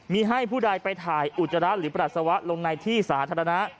มีให้ผู้ใดไปถ่ายอุจจาระหรือปรัสสาวะลงในที่สาธารณะ